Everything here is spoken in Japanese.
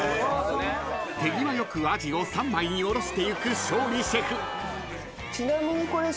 ［手際よくアジを三枚におろしていく勝利シェフ］